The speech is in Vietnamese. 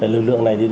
lực lượng này